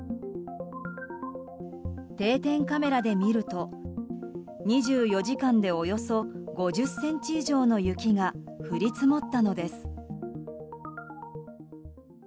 定点カメラで見ると２４時間でおよそ５０ｃｍ以上の雪が降り積もったのです。